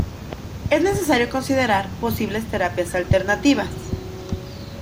Es necesario considerar posibles terapias alternativas.